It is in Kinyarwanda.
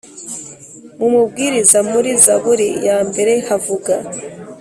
mu Mubwiriza Muri Zaburi ya mbere havuga